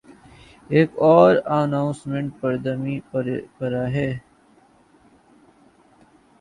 ایک اور اناؤنسر پدمنی پریرا ہیں۔